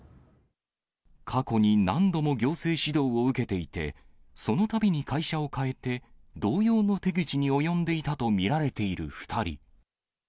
過去に何度も行政指導を受けていて、そのたびに会社を変えて、同様の手口に及んでいたと見られている２人。